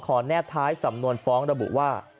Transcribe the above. แนบท้ายสำนวนฟ้องระบุว่า